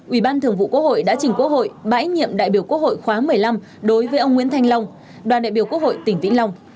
ủy ban thường vụ quốc hội đã chỉnh quốc hội bãi nhiệm đại biểu quốc hội khóa một mươi năm đối với ông nguyễn thanh long đoàn đại biểu quốc hội tỉnh vĩnh long